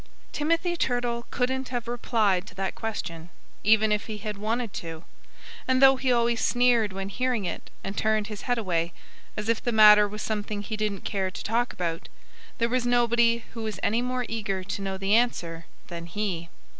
Timothy Turtle couldn't have replied to that question, even if he had wanted to. And though he always sneered when hearing it and turned his head away, as if the matter was something he didn't care to talk about, there was nobody who was any more eager to know the answer than he.